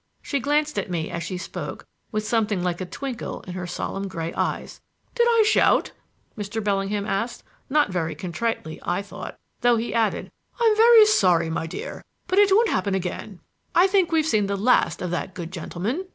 She glanced at me as she spoke, with something like a twinkle in her solemn gray eyes. "Did I shout?" Mr. Bellingham asked, not very contritely, I thought, though he added: "I'm very sorry, my dear; but it won't happen again. I think we've seen the last of that good gentleman."